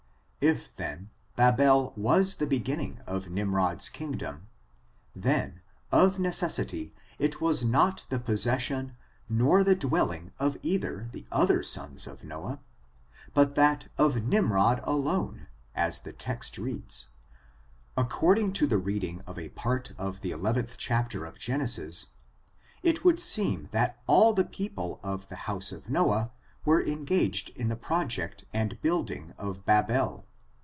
If, then, Babel was the beginning of Nimrod's kingdom, then, of necessity, it was not the possession nor the dwelling of either the other sons of Noah, but that of Nimrod alone, as the text reads. According to the reading of a part of the eleventh chapter of Genesis, it would seem that all the people of the house of Noah were engaged in the project and building of Babel.